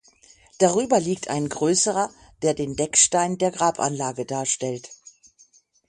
Darüber liegt ein größerer, der den Deckstein der Grabanlage darstellt.